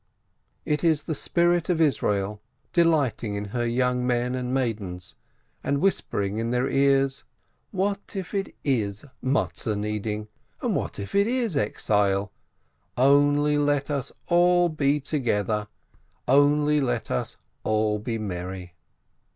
Is it the Spirit of Israel delighting in her young men and maidens and whispering in their ears: "What if it is Matzes kneading, and what if it is Exile ? Only let us be all together, only let us all be merry